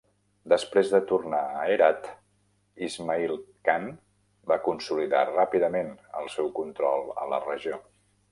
Després de tornar a Herat, Ismail Khan va consolidar ràpidament el seu control a la regió.